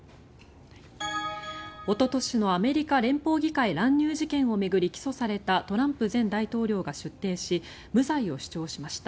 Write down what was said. おととしのアメリカ連邦議会乱入事件を巡り起訴されたトランプ前大統領が出廷し無罪を主張しました。